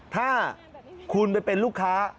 ถ้าคุณไปเป็นลูกค้า